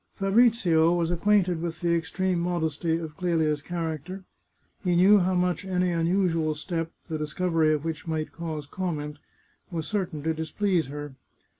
Fabrizio was acquainted with the extreme modesty of Clelia's character ; he knew how much any unusual step, the discovery of which might cause comment, was certain to dis please her.